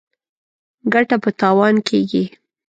ګټه په تاوان کېږي.